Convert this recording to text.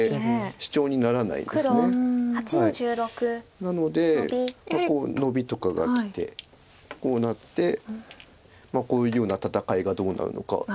なのでノビとかがきてこうなってこういうような戦いがどうなるのか。